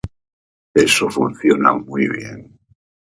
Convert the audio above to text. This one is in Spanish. Eso funciona muy bien.